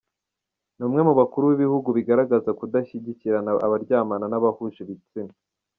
Ni umwe mu bakuru b’ibihugu bagaragaza kudashyigikira abaryamana n’abo bahuje ibitsina.